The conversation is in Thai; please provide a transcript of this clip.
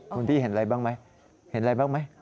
คุณพี่เห็นอะไรบ้างไหม